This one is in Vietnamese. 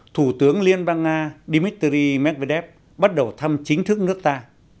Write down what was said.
thủ tướng liên bang nga dmitry medvedev bắt đầu thăm chính thức nước ta